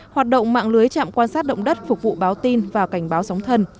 hoạt động mạng lưới chạm quan sát động đất phục vụ báo tin và cảnh báo sóng thần